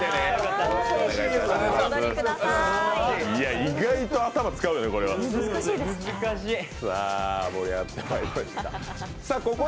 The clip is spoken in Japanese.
意外と頭使うよね、これは。